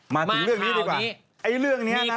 มาถึงเรื่องนี้ดีกว่า